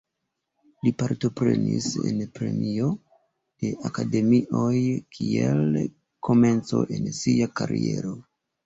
Li partoprenis en premio de akademioj kiel komenco en sia kariero.